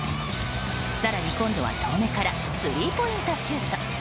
更に今度は遠めからスリーポイントシュート。